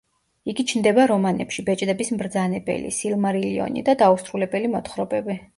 იგი ჩნდება რომანებში „ბეჭდების მბრძანებელი“, „სილმარილიონი“ და „დაუსრულებელი მოთხრობები“.